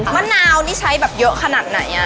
มะนาวนี่ใช้แบบเยอะขนาดไหน